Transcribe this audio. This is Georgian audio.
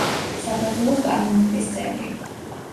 საქართველოს პარლამენტის წევრი.